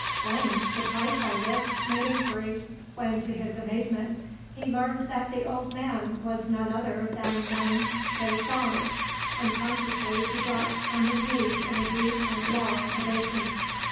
Whang, surprised by this, made inquiry, when, to his amazement, he learned that the old man was none other than Maing Sa song. Unconsciously he dropped on to his knees in a deep and long obeisance.